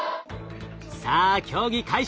さあ競技開始！